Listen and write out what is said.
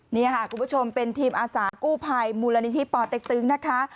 นี่ค่ะคุณผู้ชมเป็นทีมอาสากู้ภัยมูลนิธิปอเต็กตึงนะคะ